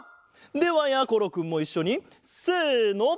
ではやころくんもいっしょにせの。